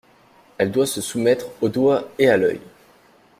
Elle doit se soumettre au doigt et à l'oeil.